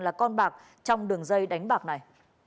là con bạc trong đường dây đánh bạc này